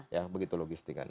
ya begitu logistik kan